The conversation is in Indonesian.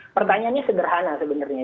pertanyaannya sederhana sebenarnya